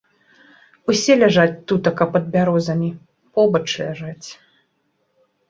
Усе ляжаць тутака пад бярозамі, побач ляжаць.